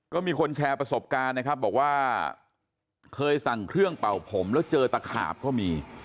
ก็มีคนแชร์ประสบการณ์นะครับบอกว่าเคยสั่งเครื่องเป่าผมแล้วเจอตะขาบก็มี